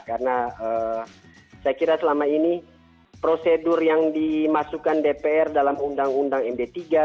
karena saya kira selama ini prosedur yang dimasukkan dpr dalam undang undang md tiga misalnya dalam statifik dpr